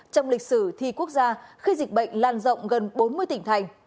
trong lịch sử thi quốc gia khi dịch bệnh lan rộng gần bốn mươi tỉnh thành